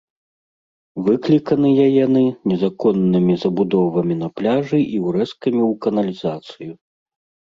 Выкліканыя яны незаконнымі забудовамі на пляжы і ўрэзкамі ў каналізацыю.